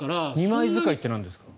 ２枚使いってなんですか？